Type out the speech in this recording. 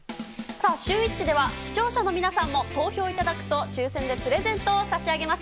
さあ、シューＷｈｉｃｈでは視聴者の皆さんも投票いただくと、抽せんでプレゼントを差し上げます。